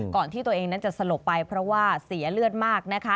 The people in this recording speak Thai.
ที่ตัวเองนั้นจะสลบไปเพราะว่าเสียเลือดมากนะคะ